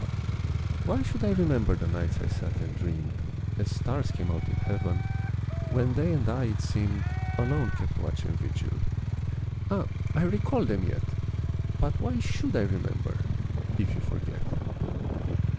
Why should I remember the nights I sat and dreamed As stars came out in Heaven when they and I it seemed, Alone kept watch and vigil ah, I recall them yet! But why should I remember if you forget!